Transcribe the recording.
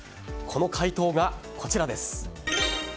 この回答が、こちらです。